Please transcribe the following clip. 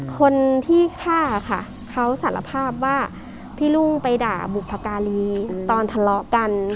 คนที่ฆ่าค่ะเขาสารภาพว่าพี่รุ่งไปด่าบุพการีตอนทะเลาะกัน